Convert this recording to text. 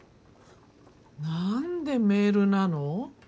何でメールなの？